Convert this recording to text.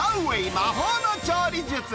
魔法の調理術！